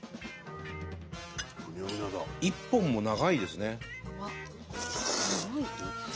１本も長いですね。